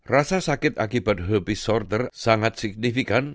rasa sakit akibat hoaby sorter sangat signifikan